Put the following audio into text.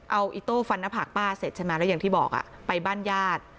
เอาอิโต้ฟันหน้าผากป้าเสร็จใช่ไหมแล้วอย่างที่บอกไปบ้านญาติ